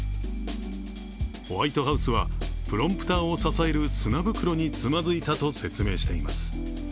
ホワイトハウスは、プロンプターを支える砂袋につまずいたと説明しています。